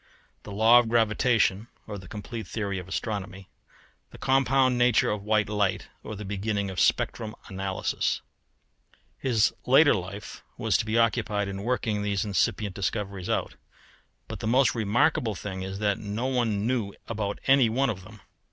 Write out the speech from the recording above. The Law of Gravitation; or, the complete theory of astronomy. The compound nature of white light; or, the beginning of Spectrum Analysis. [Illustration: FIG. 67. The sextant, as now made.] His later life was to be occupied in working these incipient discoveries out. But the most remarkable thing is that no one knew about any one of them.